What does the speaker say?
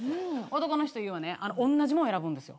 男の人ようね同じもの選ぶんですよ。